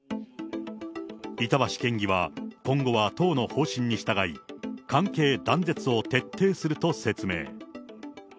板橋県議は、今後は党の方針に従い、関係断絶を徹底すると説明。